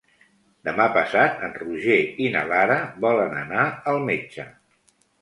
Demà passat en Roger i na Lara volen anar al metge.